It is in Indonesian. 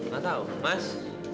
gak tau mas